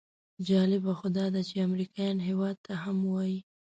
جالبه خو داده چې امریکایان هېواد ته هم وایي.